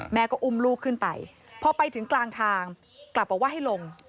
แม่ก็อุ้มลูกขึ้นไปพอไปถึงกลางทางกลับบอกว่าให้ลง